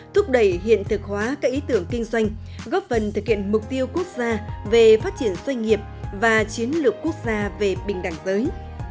thúc đẩy hiện thực hóa các ý tưởng kinh doanh góp phần thực hiện mục tiêu quốc gia về phát triển doanh nghiệp và chiến lược quốc gia về bình đẳng giới